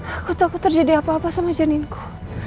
aku takut terjadi apa apa sama janinku